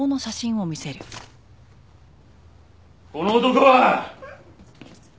この男は？